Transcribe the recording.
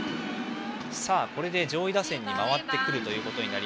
これで上位打線に回ってきます。